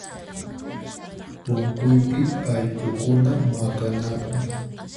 Punkuypi allqukuna maqanakun